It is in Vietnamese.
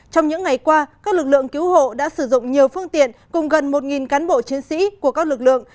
trong những ngày qua các lực lượng cứu hộ đã sử dụng nhiều phương tiện cùng gần một cán bộ chiến sĩ của các lực lượng